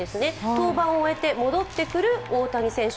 登板を終えて戻ってくる大谷選手。